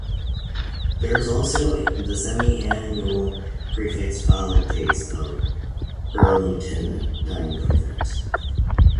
There is also the semi-annual prix fixe Taste of Burlington dining event.